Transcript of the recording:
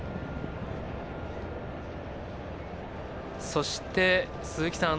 そして、鈴木さん